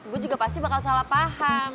gue juga pasti bakal salah paham